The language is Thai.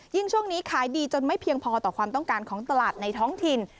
ช่วงนี้ขายดีจนไม่เพียงพอต่อความต้องการของตลาดในท้องถิ่น